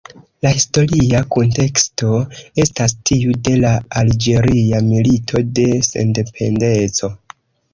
La historia kunteksto estas tiu de la Alĝeria Milito de Sendependeco.